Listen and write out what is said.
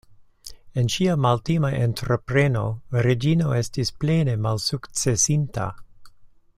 En ŝia maltima entrepreno Reĝino estis plene malsukcesinta.